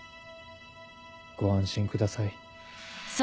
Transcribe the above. ご安心ください。